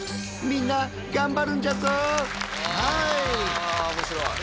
わあ面白い。